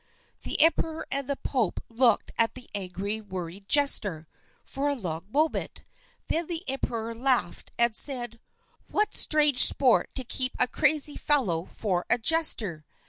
The emperor and the pope looked at the angry worried jester for a long moment; then the emperor laughed, and said, "What strange sport to keep a crazy fellow for a jester!"